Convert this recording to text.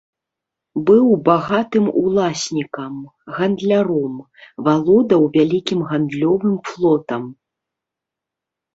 Быў багатым уласнікам, гандляром, валодаў вялікім гандлёвым флотам.